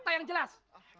tak yang jelas